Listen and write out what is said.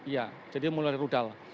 ya jadi mulai dari rudal